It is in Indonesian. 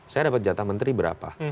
saya dapat jatah menteri berapa